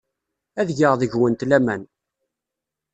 Ad geɣ deg-went laman.